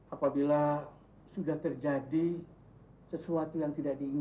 apabila sudah terjadi sesuatu yang tidak diinginkan